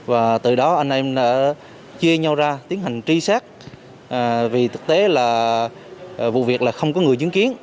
và từ đó anh em đã chia nhau ra tiến hành truy xét vì thực tế là vụ việc là không có người chứng kiến